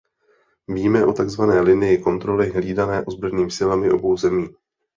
Víme o takzvané linii kontroly hlídané ozbrojenými silami obou zemí.